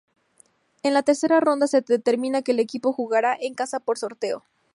En la tercera ronda, se determina que equipo jugará en casa por sorteo.